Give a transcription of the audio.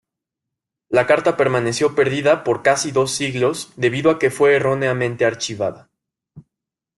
La carta permaneció perdida por casi dos siglos debido a que fue erróneamente archivada.